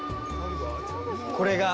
これが。